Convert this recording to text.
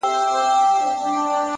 ژړا _ سلگۍ زما د ژوند د تسلسل نښه ده _